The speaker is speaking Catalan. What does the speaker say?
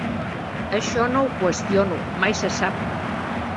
Això no ho qüestiono, mai se sap.